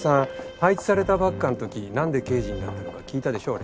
配置されたばっかの時何で刑事になったのか聞いたでしょ俺。